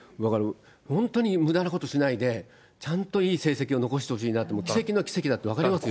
本当に、むだなことしないで、ちゃんといい成績を残してほしいなと思う、奇跡の奇跡だと分かりますよ。